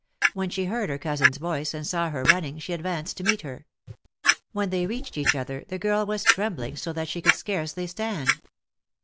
When she heard her cousin's voice, and saw her run ning, she advanced to meet her. When they reached each other the girl was trembling so that she could scarcely stand.